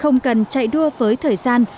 không cần chạy đua với thời gian